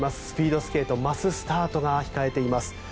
スピードスケートマススタートが控えています。